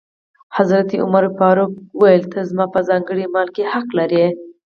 حضرت عمر فاروق وویل: ته زما په ځانګړي مال کې حق لرې.